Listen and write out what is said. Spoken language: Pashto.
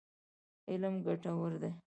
علم ګټور دی.